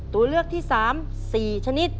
ตัวเลือกที่สามสี่ชนิด